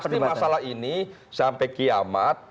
seperti masalah ini sampai kiamat